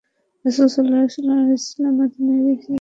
রাসূলুল্লাহ সাল্লাল্লাহু আলাইহি ওয়াসাল্লাম মদীনায় হিজরত করেছেন।